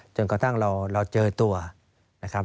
จนกระทั่งเราเจอตัวนะครับ